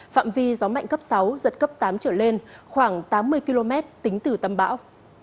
phạm vi gió mạnh cấp sáu giật cấp tám trở lên khoảng tám mươi km tính từ tâm bão